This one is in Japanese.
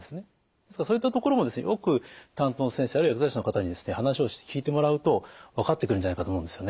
ですからそういったところもよく担当の先生あるいは薬剤師の方に話をして聞いてもらうと分かってくるんじゃないかと思うんですよね。